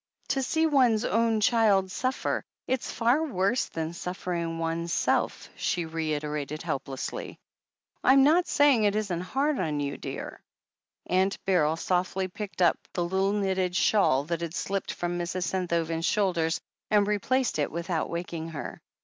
"To see one's own child suffer — it's far worse than suffering oneself," she reiterated helplessly. "I'm not saying it isn't hard on you, dear." Aimt Beryl softly picked up the little knitted shawl that had slipped from Mrs. Senthoven's shoulders and replaced it without waking her.